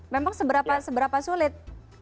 memang seberapa sulit